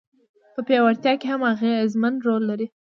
په پياوړتيا کي هم اغېزمن رول لري.